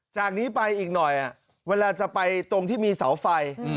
จากนี้ไปอีกหน่อยเวลาจะไปตรงที่มีเสาไฟ